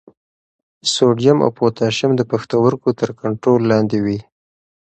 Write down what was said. سوډیم او پوټاشیم د پښتورګو تر کنټرول لاندې وي.